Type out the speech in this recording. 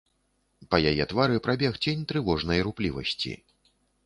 Па яе твары прабег цень трывожнай руплівасці.